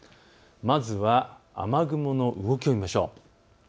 まずは雨雲の動きを見ましょう。